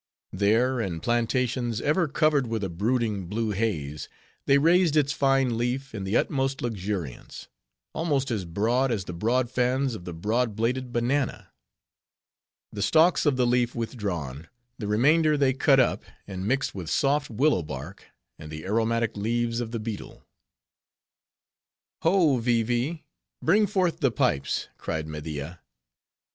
There, in plantations ever covered with a brooding, blue haze, they raised its fine leaf in the utmost luxuriance; almost as broad as the broad fans of the broad bladed banana. The stalks of the leaf withdrawn, the remainder they cut up, and mixed with soft willow bark, and the aromatic leaves of the Betel. "Ho! Vee Vee, bring forth the pipes," cried Media.